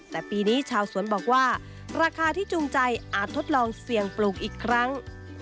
แต่ปีนี้ชาวสวนบอกว่าราคาที่จูงใจอาจทดลองเสี่ยงปลูกอีกครั้ง